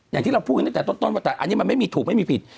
อย่างที่เราพูดกันตั้งแต่ต้นว่าแต่อันนี้มันไม่มีถูกไม่มีผิด